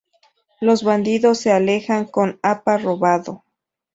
Los bandidos se alejan con Appa robado.